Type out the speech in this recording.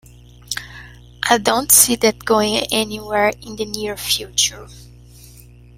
I don't see that going anywhere in the near future.